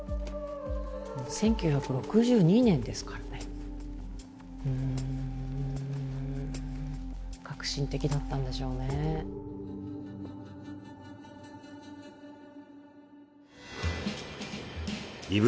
１９６２年ですからねふん革新的だったんでしょうねイヴ